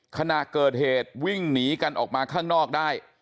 ขณะเกิดเหตุวิ่งหนีกันออกมาข้างนอกได้